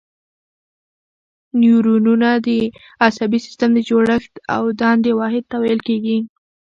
نیورونونه د عصبي سیستم د جوړښت او دندې واحد ته ویل کېږي.